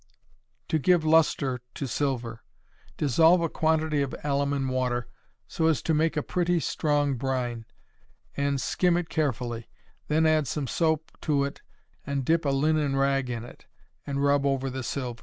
To Give Luster to Silver. Dissolve a quantity of alum in water, so as to make a pretty strong brine, and skim it carefully; then add some soap to it, and dip a linen rag in it, and rub over the silver.